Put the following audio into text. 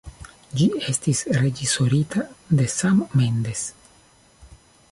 Ĝi estis reĝisorita de Sam Mendes.